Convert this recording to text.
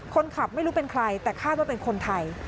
คนขับไม่รู้เป็นใครแต่คาดว่าเป็นคนไทย